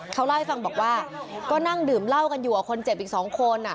เขาเล่าให้ฟังบอกว่าก็นั่งดื่มเหล้ากันอยู่กับคนเจ็บอีก๒คน